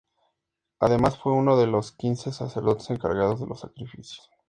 Además fue uno de los quince sacerdotes encargados de los sacrificios.